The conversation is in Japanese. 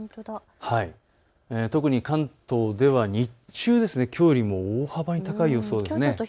特に関東では日中、きょうよりも大幅に高い予想です。